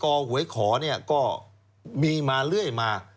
ตอหวยขอก็มีมาเรื่อยมา